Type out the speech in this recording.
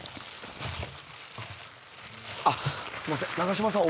あっすんません永島さん